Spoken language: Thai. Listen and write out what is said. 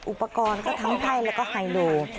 อุปกรณ์ก็ทั้งไพ่แล้วก็ไฮโล